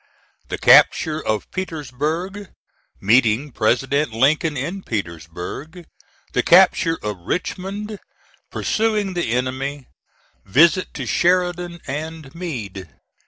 THE CAPTURE OF PETERSBURG MEETING PRESIDENT LINCOLN IN PETERSBURG THE CAPTURE OF RICHMOND PURSUING THE ENEMY VISIT TO SHERIDAN AND MEADE.